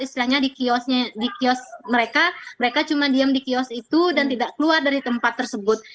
istilahnya di kios mereka mereka cuma diam di kios itu dan tidak keluar dari tempat tersebut